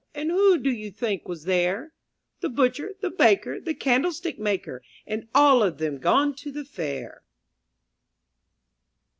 •"•^ And who do you think was there? The butcher, the baker, the candlestick maker, And all of them gone to the fair.